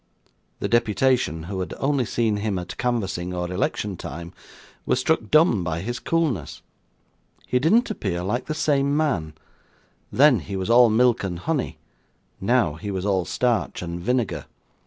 The deputation, who had only seen him at canvassing or election time, were struck dumb by his coolness. He didn't appear like the same man; then he was all milk and honey; now he was all starch and vinegar.